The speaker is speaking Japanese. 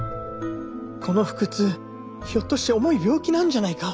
この腹痛ひょっとして重い病気なんじゃないか。